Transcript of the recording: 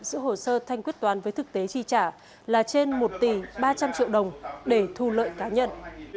giữ hồ sơ thanh quyết toán với thực tế chi trả là trên một tỷ ba trăm linh triệu đồng để thu lợi cá nhân